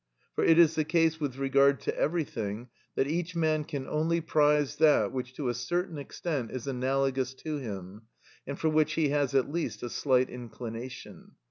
For it is the case with regard to everything, that each man can only prize that which to a certain extent is analogous to him and for which he has at least a slight inclination.